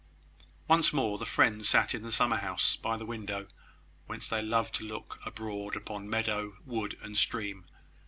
Once more the friends sat in the summer house, by the window, whence they loved to look abroad upon meadow, wood, and stream.